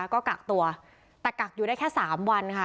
ก็กักตัวแต่กักอยู่ได้แค่๓วันค่ะ